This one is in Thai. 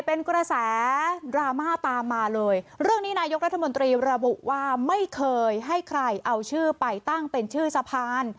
เป็นกระแสดราม่าตามมาเลยเรื่องนี้นายกรัฐมนตรีระบุว่าไม่เคยให้ใครเอาชื่อไปตั้งเป็นชื่อสะพาน